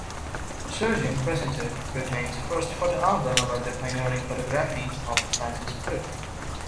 Sergeant presented "Britain's First Photo Album" about the pioneering photography of Francis Frith.